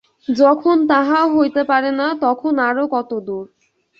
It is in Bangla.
যখন তাহাও হইতে পারে না, তখন আরও কত দূর!